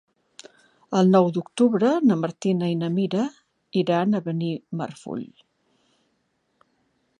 El nou d'octubre na Martina i na Mira iran a Benimarfull.